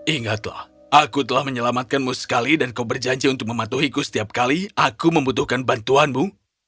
ingatlah aku telah menyelamatkanmu sekali dan kau berjanji untuk mematuhiku setiap kali aku membutuhkan bantuanmu